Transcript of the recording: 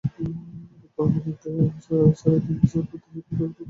রোপা আমনের চারা তিন-চার দিন তলিয়ে থাকলে খুব একটা ক্ষতি হবে না।